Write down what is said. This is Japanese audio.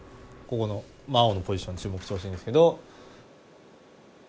ここの碧のポジションに注目してほしいんですけど。